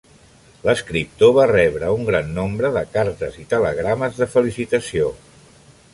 L'escriptor va rebre un gran nombre de cartes i telegrames de felicitació.